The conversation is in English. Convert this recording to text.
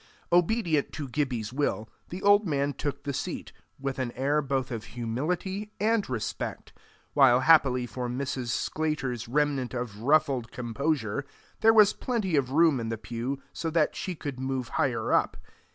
Obedient to Gibbie's will, the old man took the seat, with an air both of humility and respect, while happily for Mrs. Sclater's remnant of ruffled composure, there was plenty of room in the pew, so that she could move higher up.